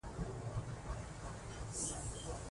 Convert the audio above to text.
دا مشعل باید روښانه وساتو.